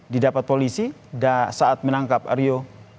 didapat polisi saat menangkap aryo